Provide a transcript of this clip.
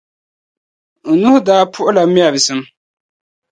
N nuhi daa puɣila mɛɛr zim.